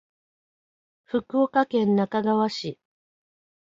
福岡県那珂川市